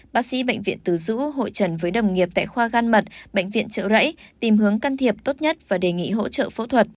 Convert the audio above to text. bác sĩ bệnh viện từ dũ hội trần với đồng nghiệp tại khoa gan mật bệnh viện trợ rẫy tìm hướng can thiệp tốt nhất và đề nghị hỗ trợ phẫu thuật